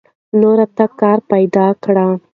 نورو ته کار پیدا کړئ.